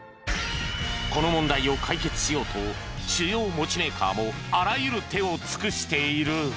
この問題を解決しようと主要もちメーカーもあらゆる手を尽くしている